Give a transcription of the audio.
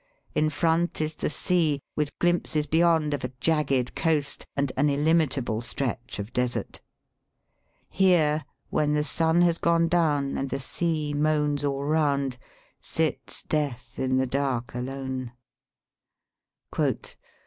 In front is the sea, with glimpses beyond of a jagged coast and an illimitable stretch of desert. Here, when the sun has gone down and the sea moans all round, sits Death in the dark alone.